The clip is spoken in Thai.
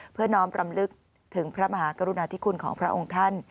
น้อมรำลึกถึงพระมหากรุณาธิคุณของพระองค์ท่าน